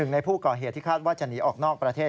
ในผู้ก่อเหตุที่คาดว่าจะหนีออกนอกประเทศ